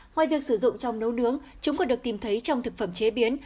ngoài việc sử dụng trong nấu nướng chúng còn được tìm thấy trong thực phẩm chế biến